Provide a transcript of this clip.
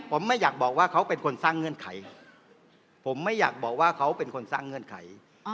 ผมไม่อยากบอกว่าเขาเป็นคนสร้างเงื่อนไข